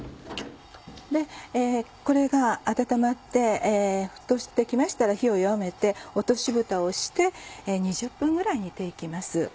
これが温まって沸騰して来ましたら火を弱めて落としぶたをして２０分ぐらい煮て行きます。